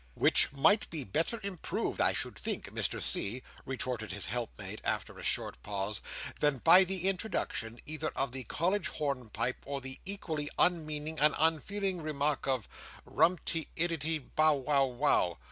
"Which might be better improved, I should think, Mr C.," retorted his helpmate, after a short pause, "than by the introduction, either of the college hornpipe, or the equally unmeaning and unfeeling remark of rump te iddity, bow wow wow!"